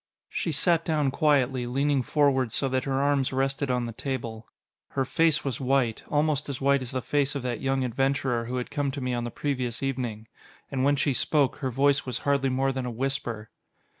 She sat down quietly, leaning forward so that her arms rested on the table. Her face was white, almost as white as the face of that young adventurer who had come to me on the previous evening. And when she spoke, her voice was hardly more than a whisper.